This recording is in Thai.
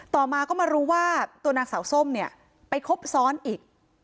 ต่อมาก็มารู้ว่าตัวนางสาวส้มเนี่ยไปคบซ้อนอีก